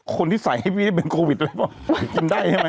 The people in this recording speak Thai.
คนที่ใส่ให้พี่เป็นโควิดเลยบอกกินได้ใช่ไหม